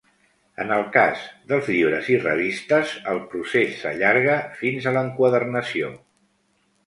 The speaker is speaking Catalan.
En el cas dels llibres i revistes el procés s'allarga fins a l'enquadernació.